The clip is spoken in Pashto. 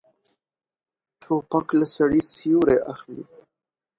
توپک له سړي سیوری اخلي.